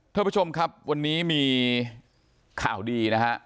ท่านผู้ชมครับวันนี้มีข่าวดีนะฮะ